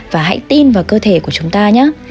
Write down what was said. và hãy tin vào cơ thể của chúng ta nhé